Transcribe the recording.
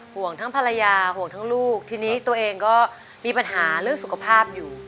ห่วงทั้งภรรยาห่วงทั้งลูกทีนี้ตัวเองก็มีปัญหาเรื่องสุขภาพอยู่